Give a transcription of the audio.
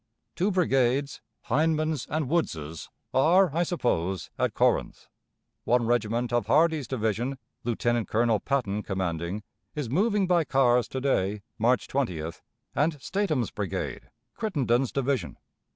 Two brigades, Hindman's and Woods's, are, I suppose, at Corinth. One regiment of Hardee's division (Lieutenant Colonel Patton commanding) is moving by cars to day (March 20th), and Statham's brigade (Crittenden's division).